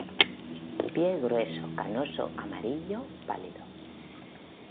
Pie grueso, canoso, amarillo pálido.